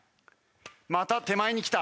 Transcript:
また手前に来た。